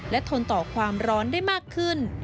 และทนต่อความร้อนได้มากขึ้น